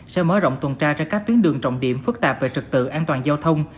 sẽ mở rộng tuần tra trên các tuyến đường trọng điểm phức tạp về trật tự an toàn giao thông